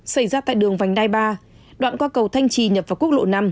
xảy ra tại đường vành đai ba đoạn qua cầu thanh trì nhập vào quốc lộ năm